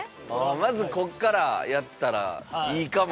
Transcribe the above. まずこっからやったらいいかも。